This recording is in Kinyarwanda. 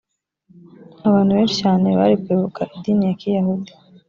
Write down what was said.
abantu benshi cyane bari kuyoboka idini ya kiyahudi